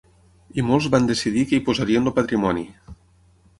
I molts van decidir que hi posarien el patrimoni.